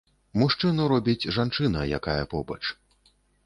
Мужчыну робіць жанчына, якая побач.